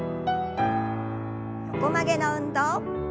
横曲げの運動。